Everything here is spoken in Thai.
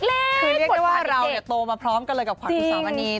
คือเรียกได้ว่าเราเนี่ยโตมาพร้อมกันเลยกับขวัญคุณสองอันนี้